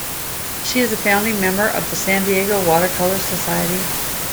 She is a founding member of the San Diego Watercolor Society.